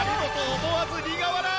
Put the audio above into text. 思わず苦笑い！